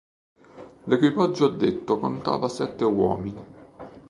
L'equipaggio addetto contava sette uomini.